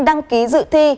đăng ký dự thi